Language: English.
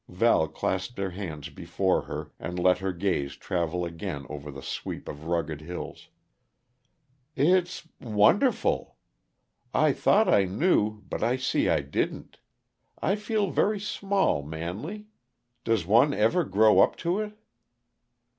Val clasped her hands before her and let her gaze travel again over the sweep of rugged hills. "It's wonderful. I thought I knew, but I see I didn't. I feel very small, Manley; does one ever grow up to it?"